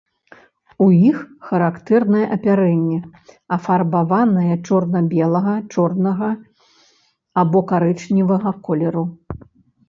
У іх характэрнае апярэнне, афарбаванае чорна-белага, чорнага або карычневага колеру.